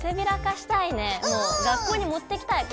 学校に持っていきたい